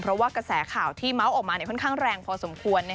เพราะว่ากระแสข่าวที่เมาส์ออกมาค่อนข้างแรงพอสมควร